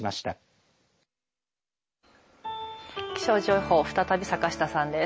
気象情報、再び坂下さんです。